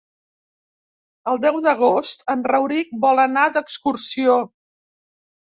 El deu d'agost en Rauric vol anar d'excursió.